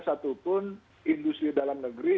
satupun industri dalam negeri